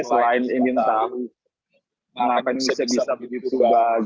selain ingin tahu mengapa indonesia bisa ditubah